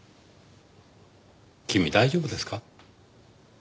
君大丈夫ですか？